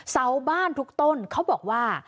เสาบ้านทุกต้นเขาบอกว่า